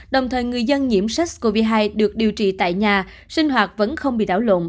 đồng thời người dân nhiễm sars cov hai được điều trị tại nhà sinh hoạt vẫn không bị đảo lộn